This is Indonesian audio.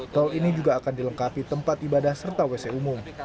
tol ini juga akan dilengkapi tempat ibadah serta wc umum